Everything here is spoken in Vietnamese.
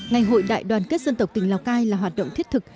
ngày hội đại đoàn kết dân tộc tỉnh lào cai là hoạt động thiết thực